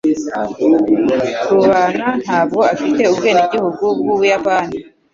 Rubana ntabwo afite ubwenegihugu bw'Ubuyapani.